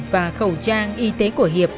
và khẩu trang y tế của hiệp